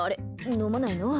飲まないの？